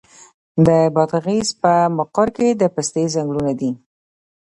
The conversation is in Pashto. د بادغیس په مقر کې د پسته ځنګلونه دي.